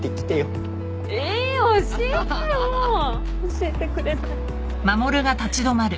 教えてくれない。